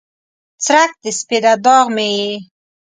څرک د سپیده داغ مې یې